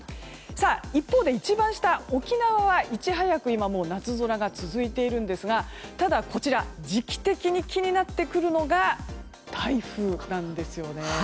一方で沖縄は、いち早く夏空が続いているんですがただ時期的に気になってくるのが台風なんですよね。